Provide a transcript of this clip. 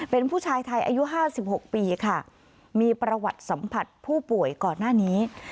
เป็นผู้ชายไทยอายุ๕๖ปีค่ะมีประวัติสัมผัสผู้ป่วยก่อนหน้านี้